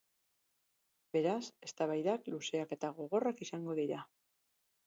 Beraz, eztabaidak luzeak eta gogorrak izango dira.